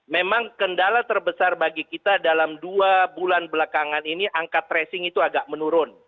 memang kendala terbesar bagi kita dalam dua bulan belakangan ini angka tracing itu agak menurun